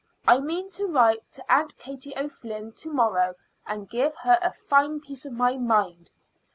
I mean to write to Aunt Katie O'Flynn to morrow and give her a fine piece of my mind.